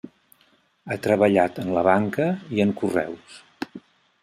Ha treballat en la banca i en Correus.